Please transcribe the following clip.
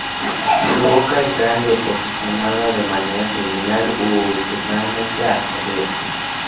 Su boca es grande, posicionada de manera terminal u oblicuamente hacia arriba.